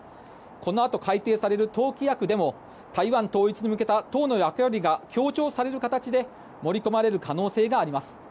このあと改定される党規約でも台湾統一に向けた党の役割が強調される形で盛り込まれる可能性があります。